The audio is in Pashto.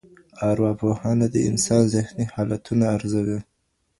ارواپوهنه د انسان ذهني حالتونه ارزوي.